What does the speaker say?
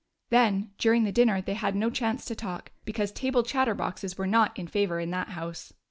Then during the din ner they had no chance to talk, because table chatterboxes were not in favor in that house.